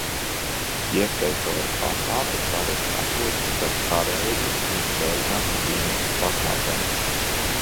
Jefreitora pakāpe parasti atrodas starp kareivja un seržanta dienesta pakāpēm.